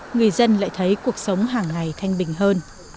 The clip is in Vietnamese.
người dân lại thấy cuộc sống hàng ngày thanh bình hơn